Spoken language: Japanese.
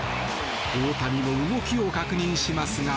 大谷も動きを確認しますが。